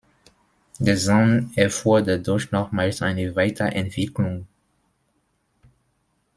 Der Sound erfuhr dadurch nochmals eine Weiterentwicklung.